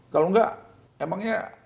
kalau enggak emangnya